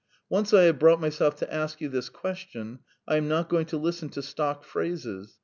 "Once I have brought myself to ask you this question, I am not going to listen to stock phrases.